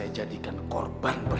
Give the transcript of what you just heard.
ya apa kabar pak